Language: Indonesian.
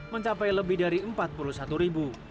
mencapai lebih dari empat puluh satu ribu